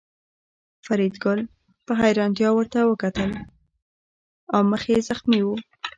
فریدګل په حیرانتیا ورته کتل او مخ یې زخمي و